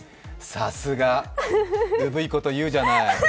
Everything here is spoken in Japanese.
さすが、うぶいこと言うじゃない。